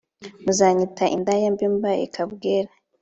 Muzanyita indaya Mbe mbaye kabwera